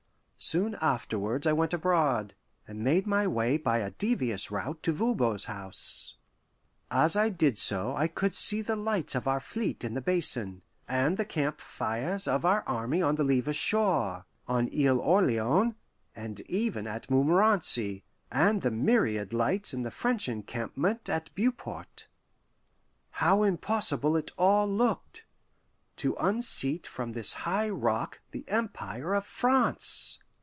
Soon afterwards I went abroad, and made my way by a devious route to Voban's house. As I did so, I could see the lights of our fleet in the Basin, and the camp fires of our army on the Levis shore, on Isle Orleans, and even at Montmorenci, and the myriad lights in the French encampment at Beauport. How impossible it all looked to unseat from this high rock the Empire of France!